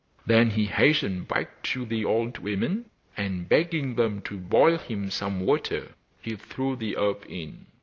Then he hastened back to the old women, and begging them to boil him some water, he threw the herb in.